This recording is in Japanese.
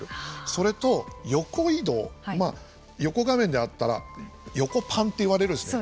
それと、横移動横画面であったら横パンといわれるんですね。